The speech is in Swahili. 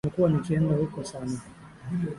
Nimekuwa nikienda huko sana